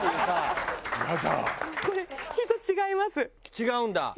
違うんだ。